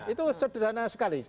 itu sederhana sekali